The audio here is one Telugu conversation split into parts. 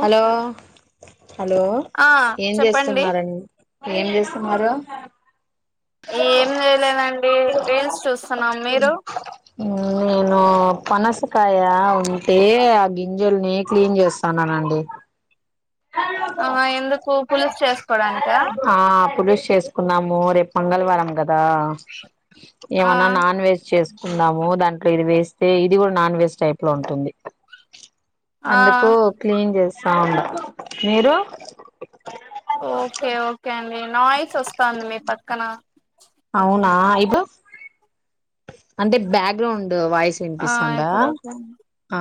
హలో హలో ఆ ఏం చెప్పండి చేస్తున్నారండి. ఏం చేస్తున్నారు. ఏం చేయలేదండి రీల్స్ చూస్తున్నాం మీరు ఉకాయ ఉంటే ఆ గింజల్ని క్లీన్ చేస్తాన్నానండి. ఆ ఎందుకు పులుసు చేసుకోడానిక మోరే పొంగల్ వారం క కదా ఆ ఏమన్నా నాన్ వెజ్ చేసు కుందము దాంట్లో ఇది వేస్తే ఇది కూడా నాన్ వేజ్ టైప్ లో ఉంటుంది ఆ అందుకు క్లీన్ చేస్త స్తాండ మీరు ఓకే ఓకే అండి. నాయిస్ వస్తాంది మీ పక్కన అవును నా ఇప్పుడు అంటే బ్యాక్గరౌండ్ వాయిస్ ఆ వినిపిస్థాందా ఇప్పుడు ఓకే అండి ఆ ఆ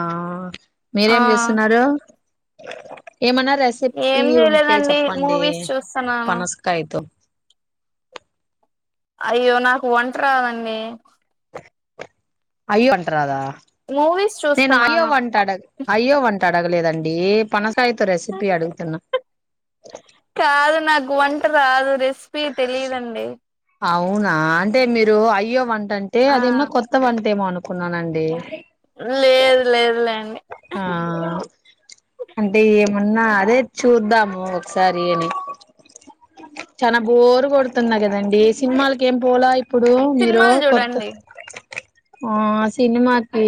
ఆ మీరేం చేస్తున్నారు. [unintelligible] ఏమైనా ఏం రెసిపీ ఉంటే చేయలేదండి చెప్పండి మూవీస్ చూస్తున్నాను పనసకాయతో అయ్యో నాకు వంట రాదండి. అయ్యో వంటరాద మూవీస్ నేను అయ చూస్తున్నాను వంట అడ అయ్యో వంట అడగలేదండి పనస కాని కాదు నాకు వంట రాదు రిస్క్ మీక్ తెలిదండి. అవునా అంటే మీరు అయ్యో వంట అంటే ఆ అదేమో కొత్త వంటే మనుకు కున్నానండి. లేదు లేదు లేండి. ఆ ఉన్నా అదే చూద్దాము ఒకసారి అని చానా బోరు కొడుతున్నా కదా దండి సినిమాలకి ఏం పోలా ఇప్పు ఇప్పుడు మీరు సినిమాలు కొత్త చూడండి ఆ సినిమాకి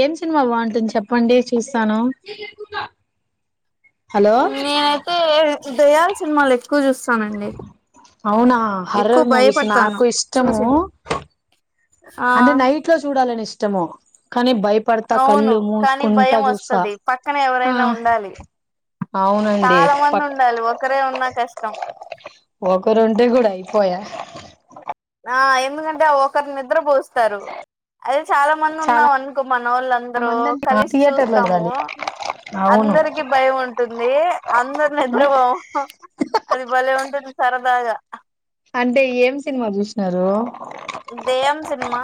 ఏం సినిమా బాగుంటుంది చెప్పండి చూస్తాను. హలో నేనైతే దయ్యాల్ సినిమాల్ ఎక్కు అవునా ఎక్కువ హర్రర్ మూవీస్ భయపడతాను నాకు ఇష్టము చూసింది ఆ అంటే నైట్ లో చూడాలని ఇష్ ఇష్టము కానీ బయప్ అవును కానీ భయం వస్తది పక్కన ఆ ఎవరైనా ఉండాలి అవునండి చాలా మంది పక్ ఉండాలి ఒకరే ఉన్నా కష్టం ఒకరుంటే కూడా అయిపోయా ఆ ఎందుకంటే ఒకరి నిద్ర పోస్తారు అది చాలా మంది చాలా ఉన్నాం అనుకోమనోళ్ళందరూ మంది అంటే కలిసి థియేటర్ లో చూస్తాము చూడాలి అవును అందరికి భయం ఉంటుంది అందరు ఆ నిద్రపోము అది భలే ఉంటుంది. సరదాగా అంటే ఏం సినిమా చూసినారు. దేయ్యం సినిమా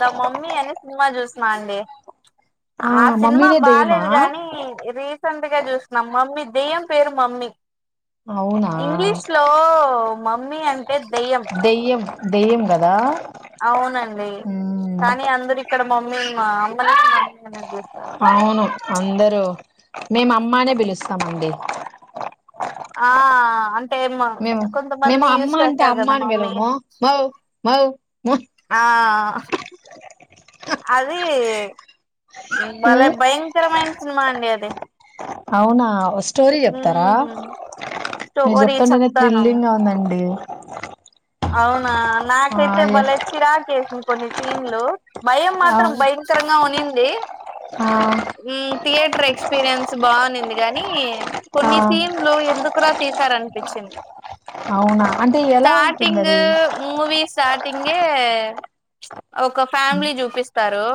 ద మమ్మీ అనే సినిమా చూస్నా అండి. ఆ సినిమా మమ్మీనే దెయ్యమా బాలేదు గాని రీసెంట్ గా చూసినం మమ్మీ దెయ్యం పేరు మమ్మీ అవునా ఇంగ్లీష్ లో మమ్మీ అంటే దెయ్యం. దెయ్యం దెయ్యం కదా అవునండి ఉమ్ కానీ అందరు ఇక్కడ మమ్మీ మా అమ్మనే మమ్మీ అనే పిలుస్తారు అవును అందరు మేము అమ్మ అనే పిలుస్తామండి. ఆ అన్ టెమ్ మేము మేము కొంతమంది అమ్మ యూస్ అంటే చేస్తారు కదా అమ్మాని మమ్మీ పిలవము మౌ మౌ మ ఆ అది బలే భయంకరమైన సినిమా అండి అది అవునా ఓస్ స్టోరీ చెప్తారా ఉమ్ మీరు స్టోరీ చెప్తుంటేనే చెప్తాను థ్రిల్లింగా ఉందండి. [inaudible] అవునా ఆ నాకైతే ఏ బలే చిరాకేసింది కొన్నిసార్లు సీన్ లో భయం మాత్రం అవును భయంకరంగా ఉన్నింది. ఆ థియేటర్ ఎక్స్పీరియన్స్ బాగున్నింది గానీ ఆ కొన్ని సీన్లు ఎందుకురా తీ తీస్తారు అనిపిచ్చింది. అవునా అంటే ఎలా ఉంటుంది. టుంది అది మూవీ స్టార్టింగే ఒక ఫ్యామిలీ చూపిస్తారు.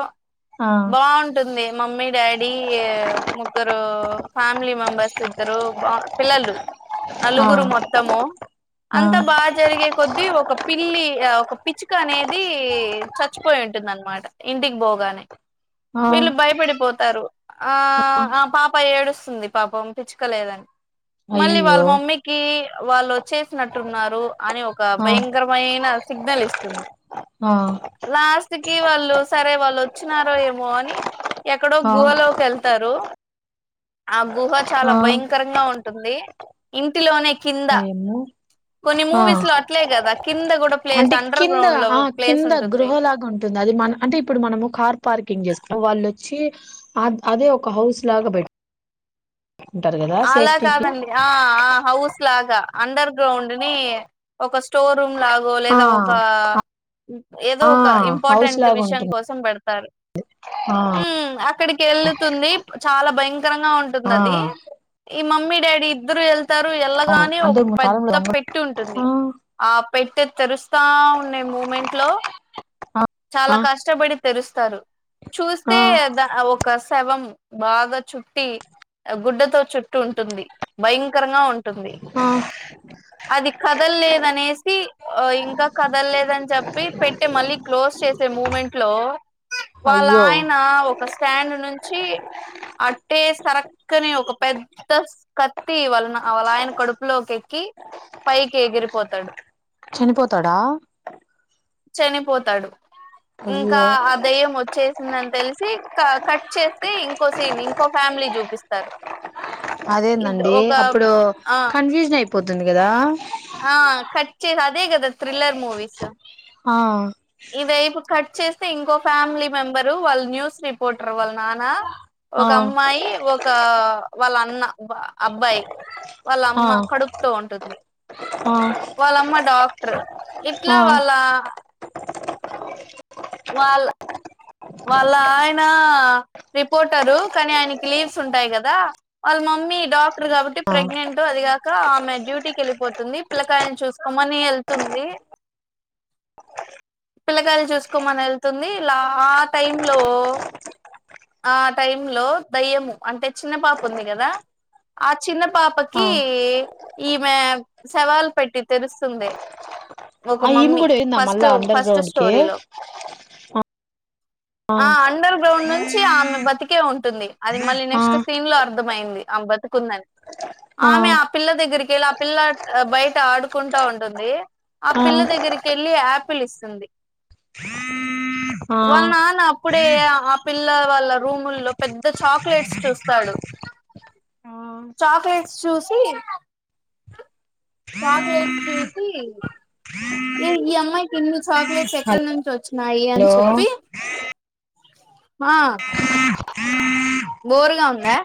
ఆ బాగుంటుంది మమ్మీ డాడీ ముగ్గురు ఫ్యామిలీ మెంబర్స్ ఇద్దరు బాన్ పిల్లలు ఆ నలుగురు మొత్తము ఆ అంతా బాగా జరిగే కొద్దీ ఒక పిల్లి ఆ ఒక పిచ్చుక అనేది చచ్చిపోయి ఉంటుందనమాట ఇంటికి పోగానే ఆ వీళ్ళు భయపడిపోతారు ఆ ఆ పాప ఏడుస్తుంది పాపం పిచ్చుకలేదని మళ్ళీ వాళ్ళ అయ్యయ్యో మమ్మీకి వాళ్ళు చేసినట్టున్నారు. అని ఒక ఆ భయంకరమైన సిగ్నల్ ఇస్తుంది. ఆ స్ట్ కి వాళ్ళు సరే వాళ్ళు వచ్చు వచ్చినారో ఏమో అని ఎక్కడో ఆ గుహలోకి వెళ్తారు. ఆబ్ గుహ చాలా ఆ భయంకరంగా ఉంట ఉంటుంది ఇంటిలోనే కింద ఓ యమ్మో కొన్ని ఆ మూవీస్ లో అట్లే కదా కింద కూడా ప్లేస్ అంటే అండర్ కింద గ్రౌండ్ లో ఆ ప్లేస్ కింద ఉంటుంది గృహలాగా ఉంటుంది అది మన అంటే ఇప్పుడు మనము కార్ పార్కింగ్ చేసుకుంటం వాళ్ళు వచ్చి అదే ఒక హౌస్ లాగా పెట్ టుంటారు కదా అలా సేఫ్టీకి కాదండి ఆ ఆ హౌస్ లాగా అండర్ గ్రౌండ్ ని ఒక స్టోర్ రూమ్ లాగో ఆ లేదా ఒక ఏదో ఆ ఒక హౌస్ ఇంపార్టెంట్ లాగా విషయం ఉంటుంది కోసం పెడుతు సరే ఆ అక్కడికి వెళ్ళతుంది చాలా భయంక భయాంకరంగ ఉంటుంది ఆ అది ఈ మమ్మీ డాడి ఇద్దరు ఎల్ తారు అవును ఎల్ళ్లగానే అంటే ఒక మీ కాలంలో పెద్ద దొంగ పెట్టి ఉంటుంది ఆ ఆ పెట్టే తెరుస్తా ఉండే మూమెంట్ లో చాలా ఆ కష్టపడి తెరుస్తారు ఆ చూస్తే ద ఒక శవం బాగా చుట్టి గుడ్డతో చుట్టూ ఉంటుంది భయంకరంగా ఉంటుంది ఆ అది కదల్లేదనేసి ఇంకా కదల్లేదని చెప్పి పెట్టే మళ్ళీ క్లోజ్ చేసే మూమెంట్ లో వాళ్ళ అయ్యో ఆయన ఒక స్టాండ్ నుంచి అట్టే సరక్కనే ఒక పెద్ద కత్తి వాళ్ళని వాళ్ళ ఆయన కడుపులోకి ఎక్కి పైకి ఎగిరిపోతాడు. చనిపోతాడా చనిపోతాడు. ఇంకా అయ్యో ఆ దయ్యం వచ్చే వందని తెలిసి కట్ చేస్తే ఇంకో సీన్ ఇంకో ఫ్యామిలీ చూపిస్తారు ఇద్ అదేందండి ఒక అప్పుడు ఆ కన్ఫ్యూజన్ అయిపో పోతుంది కదా ఆ కట్ అదే కదా థ్రిల్లర్ మూవీసు ఆ ఇదిైపు కట్ చేస్తే ఇంకో ఫ్యామిలీ మెంబరు వాళ్ళు న్యూస్ రిపోర్టర్ వాళ్ళ నాన్న ఒక ఆ అమ్మాయి ఒక వాళ్ళ అన్న అబ్బాయి వాళ్ళ ఆ అమ్మ కడుపుతో ఉంటుంది. ఆ వాళ్ళమ్మ డాక్ట ట్రూ ఇట్ల ఆ వాళ్ళా వాళ్ళ వాళ్ళ ఆయన రిపోర్టరు కానీ ఆయనకి లీవ్స్ ఉంటాయి కదా వాళ్ళ మమ్మీ డాక్టర్ కాబట్టి ఆ ప్రెగ్నెంట్ అదిగాక ఆమె డ్యూటీకి వెళ్ళిపోతుంది పిల్లకాయని చూసుకోమని వెళ్తుంది పిల్లకాయని చూసుకోమని వెళ్తుంది ఇలా టైం లో ఆ టైంలో దయ్యము అంటే చిన్న పాప ఉంది కదా ఆ చిన్న పాపకి ఆ ఈమె సవాల్ పెట్టి తెరుస్తుంది. ఒక ఆ ఈమె మమ్మీ కూడాపోయిందా మళ్ళ ఫస్ట్ అండర్ ఫస్ట్ గ్రౌండ్కి స్టోరీలో ఆ అండర్ గ్రౌండ్ నుంచి ఆమె బతికే ఉంటు టుంది. అది మళ్ళీ ఆ నెస్ట్ సీన్ లో అర్ అర్థమైంది బతుకుందని ఆమె ఆ పిల్ల దగ్గరికి వెళ్ళి ఆ పిల్ల బయట ఆడుకుంటా ఉంటుంది ఆ పిల్ల దగ్గరికి వెళ్ళి ఆపిల్ ఇస్తుంది ఆ వాళ్ళ నాన్న అప్పుడే ఆ పిల్లల వాళ్ళ రూముల్లో పెద్ద చాక్లెట్స్ చూస్తాడు ఆ చాక్లెట్స్ చూసి చాక్లెట్స్ చూసి ఏ ఈ అమ్మాయికి ఎన్ని చాక్లేట్స్ ఎక్కడ నుంచి వచ్ మయా అని హలో చెప్పి ఆ బోరుగా ఉందా